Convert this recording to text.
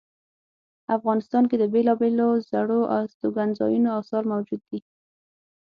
افغانستان کې د بیلابیلو زړو استوګنځایونو آثار موجود دي